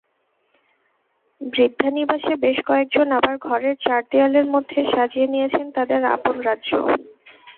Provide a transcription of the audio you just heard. বৃদ্ধানিবাসে বেশ কয়েকজন আবার ঘরের চার দেয়ালের মধ্যে সাজিয়ে নিয়েছেন তাদের আপন রাজ্য।